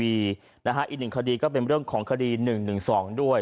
อีกหนึ่งคดีก็เป็นเรื่องของคดี๑๑๒ด้วย